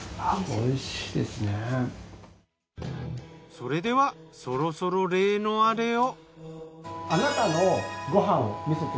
それではそろそろ例のアレを。